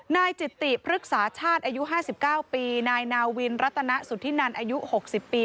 นายจิตติพฤกษาชาติอายุ๕๙ปีนายนาวินรัตนสุธินันอายุ๖๐ปี